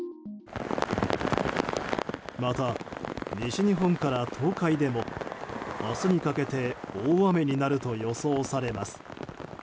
また、西日本から東海でも明日にかけて大雨になると予想されます。